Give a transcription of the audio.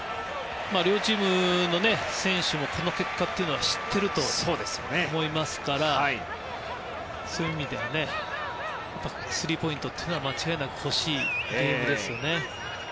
両チームの選手もこの結果は知ってると思いますからそういう意味では３ポイントというのは間違いなく欲しいゲームですね。